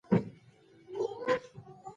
احمد ښه انسان نه دی. هره روا ناروا ترسه کوي.